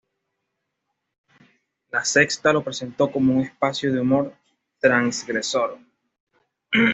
La Sexta lo presentó como "un espacio de humor transgresor".